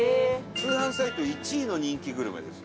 通販サイト１位の人気グルメです。